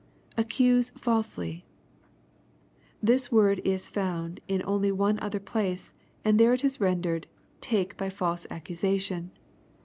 [accuse falsely.'] This word is only found in one other place, and there it is rendered, "take by false accusation."